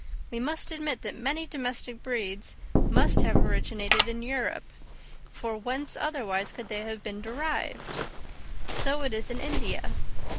we must admit that many domestic breeds must have originated in Europe; for whence otherwise could they have been derived? So it is in India.